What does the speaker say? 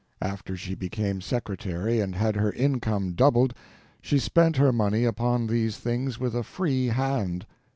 After she became secretary and had her income doubled she spent her money upon these things with a free hand.